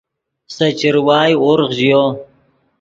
سے چروائے ورغ ژیو